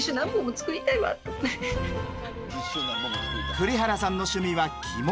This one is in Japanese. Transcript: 栗原さんの趣味は着物。